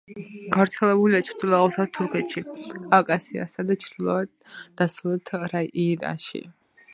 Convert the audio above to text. გავრცელებულია ჩრდილო-აღმოსავლეთ თურქეთში, კავკასიასა და ჩრდილო-დასავლეთ ირანში.